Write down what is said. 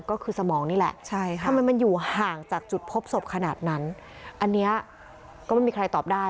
ก็คือสมองนี่แหละใช่ค่ะทำไมมันอยู่ห่างจากจุดพบศพขนาดนั้นอันนี้ก็ไม่มีใครตอบได้